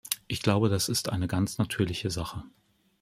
Ich glaube, das ist eine ganz natürliche Sache.